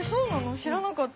知らなかった。